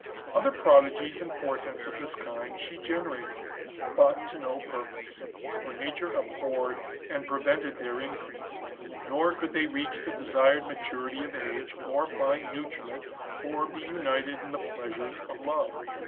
Other prodigies and portents of this kind she generated ; but to no purpose ; for nature abhorred and prevented their increase ; nor could they reach the desired maturity of age, or find nutriment, or be united in the pleasures of love.